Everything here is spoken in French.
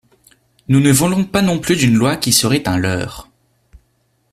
Nous ne voulons pas non plus d’une loi qui serait un leurre.